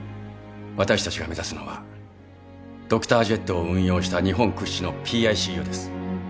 私たちが目指すのはドクタージェットを運用した日本屈指のＰＩＣＵです。